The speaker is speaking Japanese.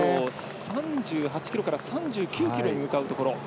３８ｋｍから３９ｋｍに向かうところ。